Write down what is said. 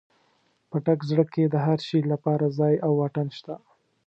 په ډک زړه کې د هر شي لپاره ځای او واټن شته.